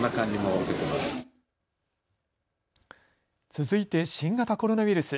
続いて新型コロナウイルス。